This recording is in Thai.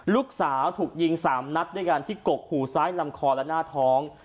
ลูกสาวถูกยิง๓นัดด้วยกันที่กกหูซ้ายลำคอและหน้าท้อง